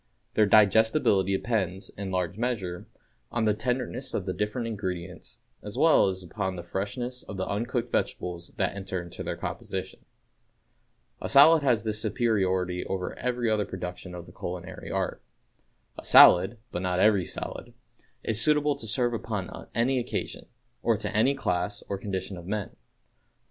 Their digestibility depends, in large measure, on the tenderness of the different ingredients, as well as upon the freshness of the uncooked vegetables that enter into their composition. A salad has this superiority over every other production of the culinary art: A salad (but not every salad) is suitable to serve upon any occasion, or to any class or condition of men.